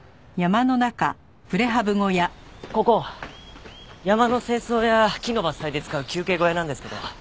ここ山の清掃や木の伐採で使う休憩小屋なんですけど。